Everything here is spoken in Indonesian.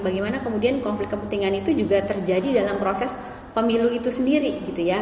bagaimana kemudian konflik kepentingan itu juga terjadi dalam proses pemilu itu sendiri gitu ya